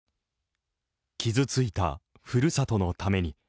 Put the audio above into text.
傷ついたふるさとのために。